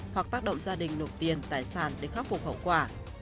hoặc tác động gia đình nộp tiền tài sản để khắc phục hậu quả